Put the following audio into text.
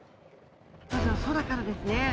まずは空からですね